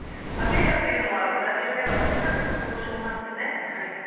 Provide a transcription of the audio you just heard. ファベーラというのはブラジルではスラムの総称なんですね。